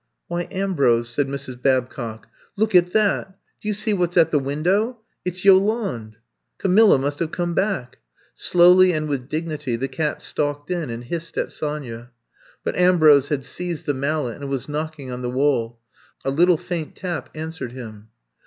*^Why, Ambrose, said Mrs. Babcock. Look at that I Do you see what *s at the window! It's Yolande! Camilla must have come back. Slowly and with dignity the cat stalked in and hissed at Sonya. But Ambrose had seized the mallet and was knocking on the wall. A little faint tap answered him.